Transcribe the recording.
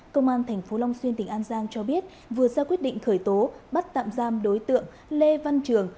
công an tp long xuyên tỉnh an giang cho biết vừa ra quyết định khởi tố bắt tạm giam đối tượng lê văn trường